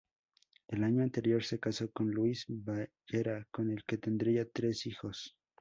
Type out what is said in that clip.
El año anterior se casó con Louis Bellera, con el que tendría tres hijos.